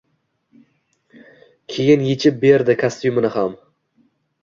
Keyin yechib berdi kostyumini ham.